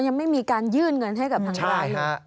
ยังไม่มีการยื่นเงินให้กับทางร้าน